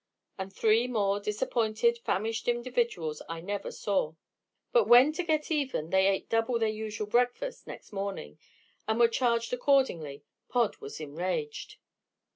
And three more disappointed, famished individuals I never saw. But when to get even they ate double their usual breakfast next morning and were charged accordingly, Pod was enraged.